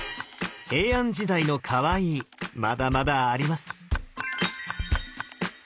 平安時代の「かわいい」まだまだあります。